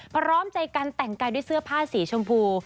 พร้อมใจกันแต่งกายด้วยเสื้อผ้าสีชมพู